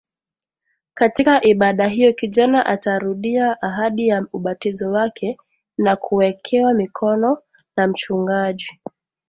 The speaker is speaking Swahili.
Katika ibada hiyo kijana atarudia ahadi ya ubatizo wake na kuwekewa mikono na mchungaji